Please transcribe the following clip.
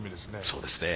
そうですね。